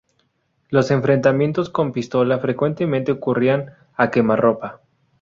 Los enfrentamientos con pistola frecuentemente ocurrían a quemarropa.